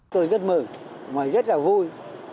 tôi rất mừng và rất là vui